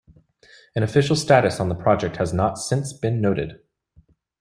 An official status on the project has not since been noted.